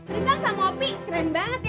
tristan sama opi keren banget ya